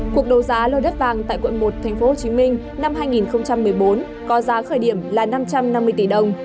cuộc đấu giá lô đất vàng tại quận một tp hcm năm hai nghìn một mươi bốn có giá khởi điểm là năm trăm năm mươi tỷ đồng